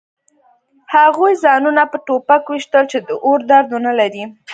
هغوی ځانونه په ټوپک ویشتل چې د اور درد ونلري